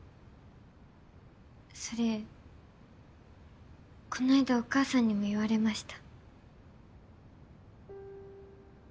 それこないだお母さんにも言われました。